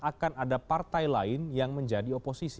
akan ada partai lain yang menjadi oposisi